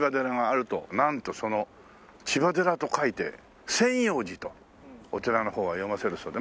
なんとその「千葉寺」と書いて千葉寺とお寺のほうは読ませるそうで。